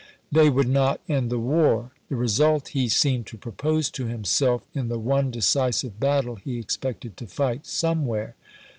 They would not end the war — the result he seemed to propose to himself in the one decisive battle he expected to fight somewhere.